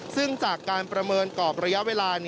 ซึ่งจากการประเมินกรอบระยะเวลา